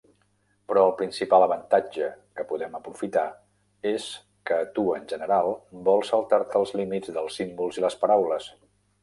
Però el principal avantatge que podem aprofitar és que tu en general vols saltar-te els límits dels símbols i les paraules.